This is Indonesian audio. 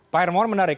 pak hermon menarik